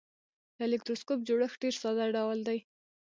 د الکتروسکوپ جوړښت ډیر ساده ډول دی.